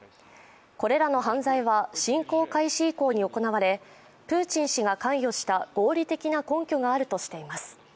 これらの犯罪は侵攻開始以降に行われプーチン氏が関与した合理的な根拠があるとしています。